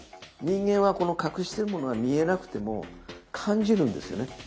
人間は隠してるものが見えなくても感じるんですよね。